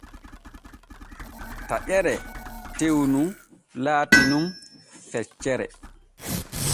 Taƴeere tew nu laati nun feccere.